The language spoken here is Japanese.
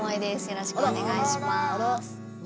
よろしくお願いします